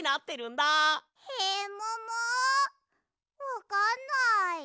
わかんない。